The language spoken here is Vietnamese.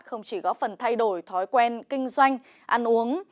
không chỉ góp phần thay đổi thói quen kinh doanh ăn uống